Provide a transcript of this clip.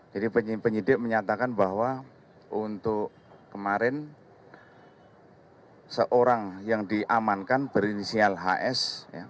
jadi penyidik menyatakan bahwa untuk kemarin seorang yang diamankan berinisial hs